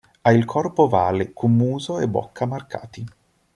Ha il corpo ovale, con muso e bocca marcati.